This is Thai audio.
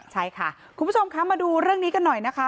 ใช่ค่ะคุณผู้ชมคะมาดูเรื่องนี้กันหน่อยนะคะ